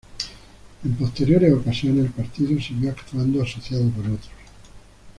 En posteriores ocasiones, el partido siguió actuando asociado con otros.